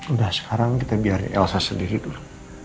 udah sekarang kita biarin elsa sendiri dulu